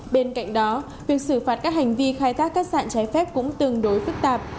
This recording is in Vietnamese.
bên cạnh đó việc xử phạt các hành vi khai thác cát sạn trái phép cũng tương đối phức tạp